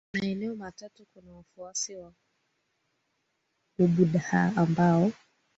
maeneo matatu kuna wafuasi wa Ubuddha ambayo